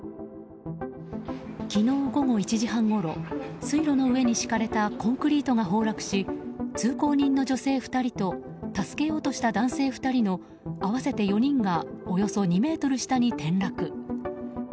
昨日午後１時半ごろ水路の上に敷かれたコンクリートが崩落し通行人の女性２人と助けようとした男性２人の合わせて４人がおよそ２ｍ下に転落。